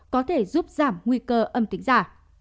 có thể giúp giảm nguy cơ âm tính giả